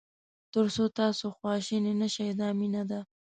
تر څو تاسو خواشینی نه شئ دا مینه ده.